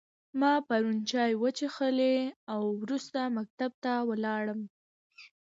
ما پرون چای وچیښلی او وروسته مکتب ته ولاړم